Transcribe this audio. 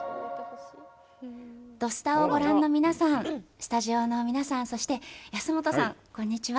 「土スタ」をご覧の皆さん、スタジオの皆さんそして安元さん、こんにちは。